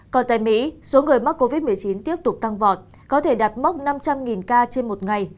còn tại mỹ số người mắc covid một mươi chín tiếp tục tăng vọt có thể đạt mốc năm trăm linh ca trên một ngày